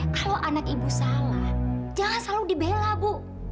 kalau anak ibu salah jangan selalu dibela bu